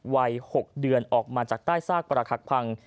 วัย๖เดือนออกมาจากใต้ซากประคักพัง